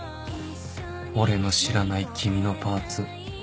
俺の知らない君のパーツ